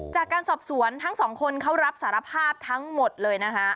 จากการสอบสวนทั้งสองคนเขารับสารภาพทั้งหมดเลยนะคะ